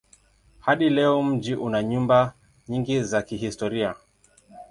Hadi leo mji una nyumba nyingi za kihistoria.